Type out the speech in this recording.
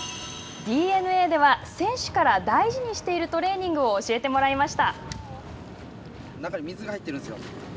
ＤｅＮＡでは選手から大事にしているトレーニングを教えてもらいました。